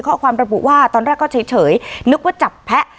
ข้อความระบุว่าตอนแรกก็เฉยนึกว่าจับแพะ